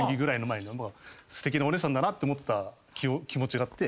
すてきなお姉さんだなって思ってた気持ちがあって。